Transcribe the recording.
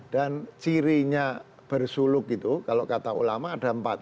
dan cirinya bersuluk itu kalau kata ulama ada empat